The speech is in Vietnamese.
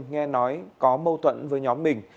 nghe nói có mâu thuẫn với nhóm mình